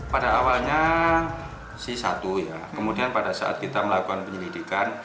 pada awalnya si satu ya kemudian pada saat kita melakukan penyelidikan